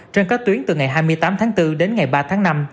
trên các tuyến từ ngày hai mươi tám tháng bốn đến ngày ba tháng năm